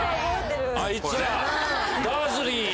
あいつらダーズリー。